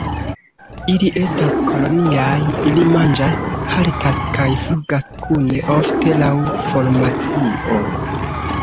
Ili estas koloniaj; ili manĝas, haltas kaj flugas kune, ofte laŭ formacio.